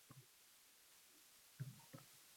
Bunday katta toʻlovlarni kamaytirish kerak.